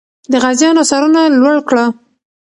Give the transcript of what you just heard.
د غازیانو سرونه لوړ کړه.